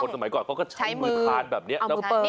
ใช้มือทานแบบเนี้ย